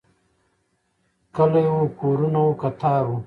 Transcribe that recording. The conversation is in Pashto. کلی و، کورونه و، کتار و